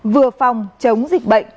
vừa phòng chống dịch bệnh